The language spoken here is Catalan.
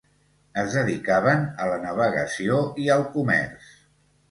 Es dedicaven a la navegació i al comerç.